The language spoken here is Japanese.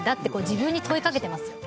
自分に問いかけてますよ。